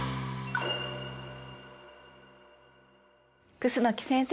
楠木先生